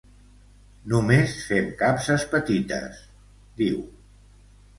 Només fem capses petites, diu.